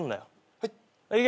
はい。